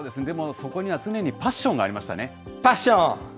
でもそこには常にパッションがありましたね。